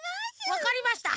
わかりました。